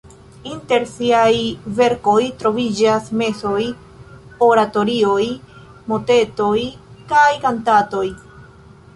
Inter siaj verkoj troviĝas mesoj, oratorioj, motetoj kaj kantatoj.